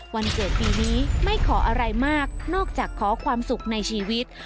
วันเกิดปีนี้ไม่ขออะไรมากนอกจากขอความสุขในชีวิต